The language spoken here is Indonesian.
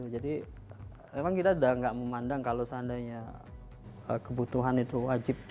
jadi memang kita sudah tidak memandang kalau seandainya kebutuhan itu wajib